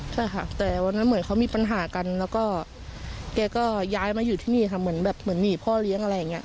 ใช่ค่ะแต่วันนั้นเหมือนเขามีปัญหากันแล้วก็แกก็ย้ายมาอยู่ที่นี่ค่ะเหมือนแบบเหมือนหนีพ่อเลี้ยงอะไรอย่างนี้